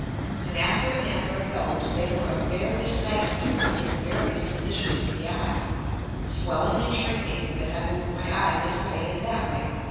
And after the manner of those, they were of various magnitudes in various Positions of the Eye, swelling and shrinking as I moved my Eye this way and that way.